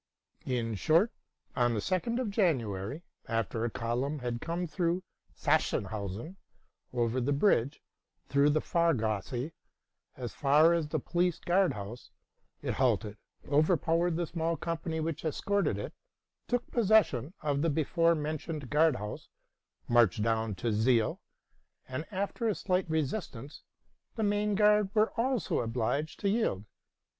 In short, on the 2d of Jan uary, after a column had come through Sachsenhausen over the bridge, through the Fahrgasse, as far as the Police Guard House, it halted, overpowered the small company which escorted it, took possession of the before mentioned Guard House, marched down the Zeil, and, after a slight resistance, the main guard were also obliged to yield.